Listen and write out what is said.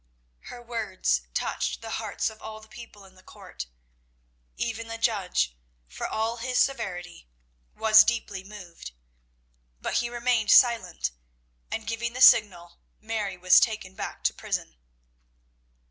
Her words touched the hearts of all the people in the court. Even the judge, for all his severity, was deeply moved; but he remained silent, and, giving the signal, Mary was taken back to prison.